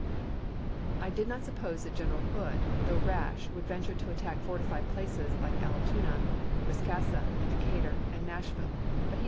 I did not suppose that General Hood, though rash, would venture to attack fortified places like Alla toona, Resaca, Decatur, and Nashville; but he *mSSs!